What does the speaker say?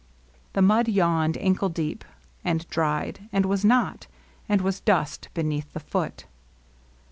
The mud yawned ankle deep, and dried, and was not, and was dust beneath the foot.